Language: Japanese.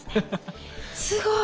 すごい。